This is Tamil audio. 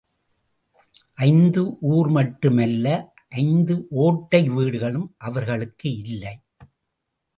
ஐந்து ஊர் மட்டும் அல்ல ஐந்து ஒட்டை வீடுகளும் அவர்களுக்கு இல்லை.